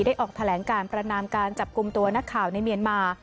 ออกแถลงการประนามการจับกลุ่มตัวนักข่าวในเมียนมา